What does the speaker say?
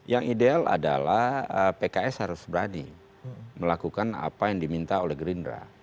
yang ideal adalah pks harus berani melakukan apa yang diminta oleh gerindra